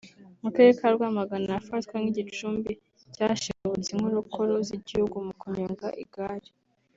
mu Karere ka Rwamagana ahafatwa nk’igicumbi cy’ahashibutse inkorokoro z’igihugu mu kunyonga igare